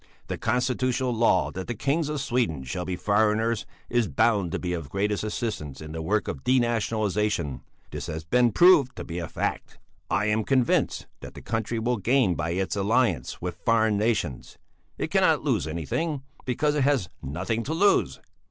The constitutional law that the kings of Sweden shall be foreigners is bound to be of the greatest assistance in the work of denationalization; this has been proved to be a fact. "I am convinced that the country will gain by its alliance with foreign nations; it cannot lose anything because it has nothing to lose.